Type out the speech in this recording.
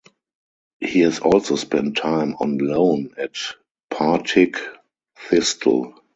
He has also spent time on loan at Partick Thistle.